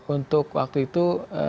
untuk waktu itu